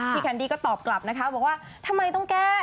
แคนดี้ก็ตอบกลับนะคะบอกว่าทำไมต้องแก้